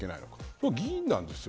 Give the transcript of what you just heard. これは議員なんですよ。